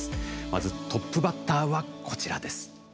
まずトップバッターはこちらです。